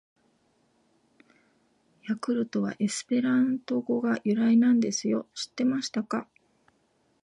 「ヤクルト」はエスペラント語が由来なんですよ！知ってましたか！！